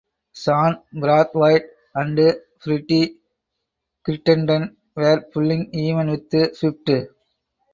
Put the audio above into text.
Shane Brathwaite and Freddie Crittenden were pulling even with Swift.